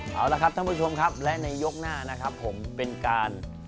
ขอบคุณท่านคณะกรรมการที่ให้๒แทนกับผมนะครับ